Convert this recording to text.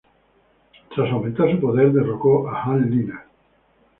Tras aumentar su poder, derrocó a Han Liner.